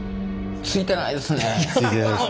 ついてないです。